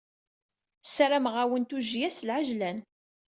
Ssarameɣ-awen tujjya s lɛejlan.